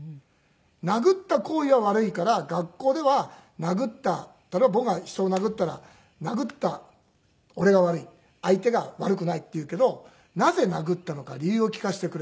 殴った行為は悪いから学校では例えば僕が人を殴ったら殴った俺が悪い相手が悪くないっていうけどなぜ殴ったのか理由を聞かせてくれって。